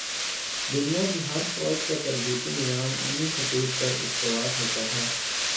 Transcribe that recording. دنیا کی ہر فوج کا تربیتی نظام انہی خطوط پر استوار ہوتا ہے۔